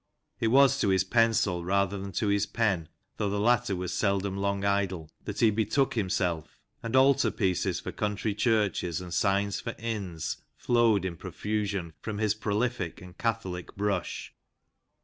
It was to his pencil rather than to his pen, though the latter was seldom long idle, that he be took himself, and altar pieces for country churches and signs for inns flowed in profusion frou his prolific and catholic brush.